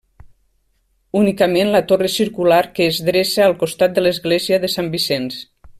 Únicament la torre circular que es dreça al costat de l'església de Sant Vicenç.